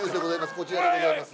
こちらでございます。